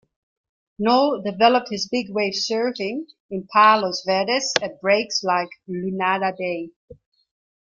Noll developed his big wave surfing in Palos Verdes at breaks like Lunada Bay.